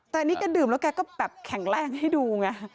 แต่อันนี้แกดื่มแล้วแกก็แบบแข็งแรงให้ดูไง